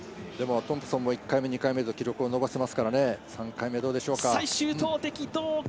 トンプソンも１回目、２回目と記録を伸ばしていますから３回目どうでしょうか。